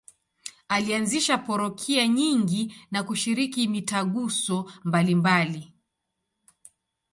Alianzisha parokia nyingi na kushiriki mitaguso mbalimbali.